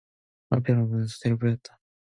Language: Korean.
그때 얼핏 떠오른 것은 소태 뿌리였다.